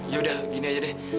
ya udah gini aja deh